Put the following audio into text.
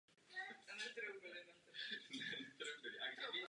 Zde narazí na Kartu.